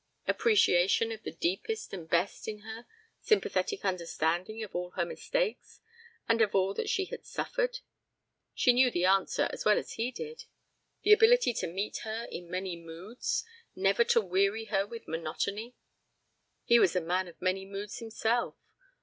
Appreciation of the deepest and best in her, sympathetic understanding of all her mistakes and of all that she had suffered? She knew the answer as well as he did. The ability to meet her in many moods, never to weary her with monotony? He was a man of many moods himself.